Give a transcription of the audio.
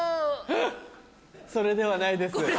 それではないです。